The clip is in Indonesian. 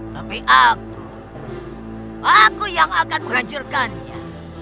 tapi aku aku yang akan menghancurkannya